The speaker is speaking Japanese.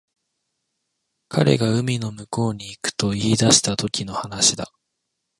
彼が海の向こうに行くと言い出したときの話だ